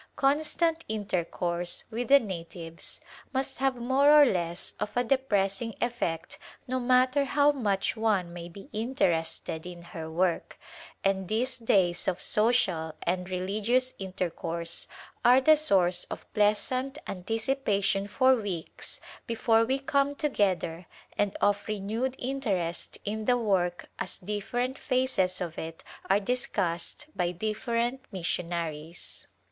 Constant intercourse with the na tives must have more or less of a depressing effect no matter how much one may be interested in her work, and these days of social and religious intercourse are the source of pleasant anticipation for weeks before we come together and of renewed interest in the work as different phases of it are discussed by different mis sionaries.